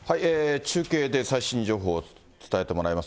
中継で最新情報を伝えてもらいます。